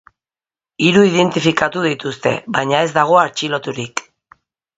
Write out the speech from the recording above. Hiru identifikatu dituzte, baina ez dago atxiloturik.